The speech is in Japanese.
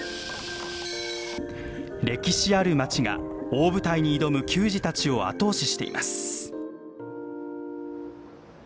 歴史ある街が、大舞台に挑む球児たちを後押ししています。